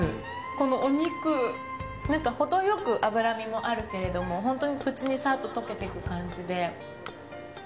このお肉、何かほどよく脂身もあるけれども、本当に口にさっと溶けていく感じで。